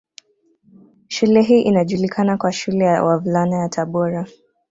Shule hii inajulikana kwa shule ya Wavulana ya Tabora